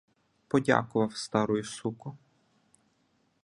Подяковав старую суку